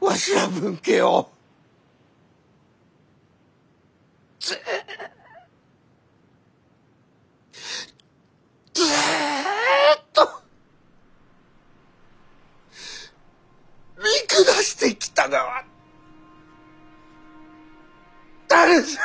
わしら分家をずっとずっと見下してきたがは誰じゃ。